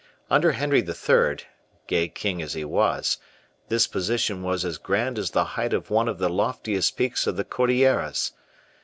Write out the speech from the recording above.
Under Henry III., gay king as he was, this position was as grand as the height of one of the loftiest peaks of the Cordilleras.